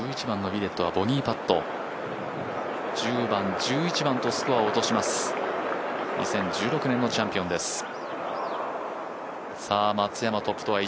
２０１６年のチャンピオンです。